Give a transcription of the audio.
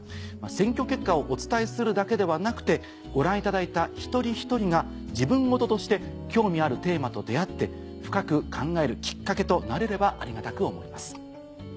選挙結果をお伝えするだけではなくてご覧いただいた一人一人が自分事として興味あるテーマと出合って深く考えるきっかけとなれればありがたく思います。